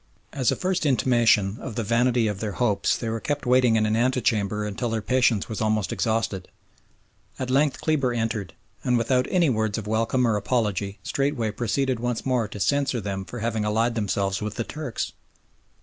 As a first intimation of the vanity of their hopes they were kept waiting in an ante chamber until their patience was almost exhausted. At length Kleber entered, and without any words of welcome or apology straightway proceeded once more to censure them for having allied themselves with the Turks.